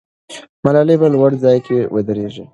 ملالۍ په لوړ ځای کې ودرېږي.